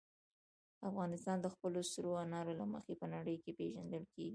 افغانستان د خپلو سرو انارو له مخې په نړۍ کې پېژندل کېږي.